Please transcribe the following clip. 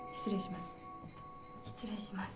失礼します。